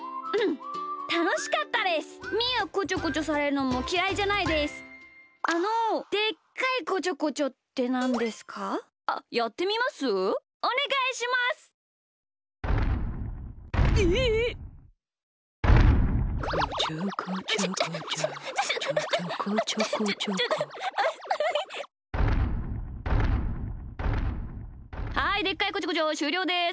はいでっかいこちょこちょしゅうりょうです。